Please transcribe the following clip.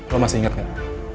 lo masih ingat gak